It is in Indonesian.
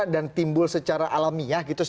dan timbul secara alamiah